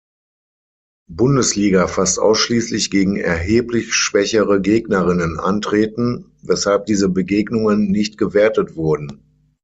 Bundesliga fast ausschließlich gegen erheblich schwächere Gegnerinnen antreten, weshalb diese Begegnungen nicht gewertet wurden.